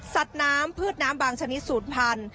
สัตว์น้ำพืชน้ำบางชนิดสูตรพันธุ